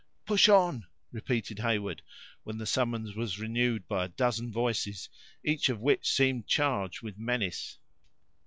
"Push on!" repeated Heyward; when the summons was renewed by a dozen voices, each of which seemed charged with menace.